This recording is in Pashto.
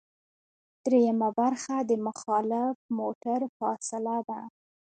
دریمه برخه د مخالف موټر فاصله ده